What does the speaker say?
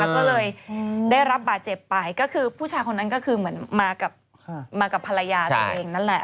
ก็เลยได้รับบาดเจ็บไปก็คือผู้ชายคนนั้นก็คือเหมือนมากับภรรยาตัวเองนั่นแหละ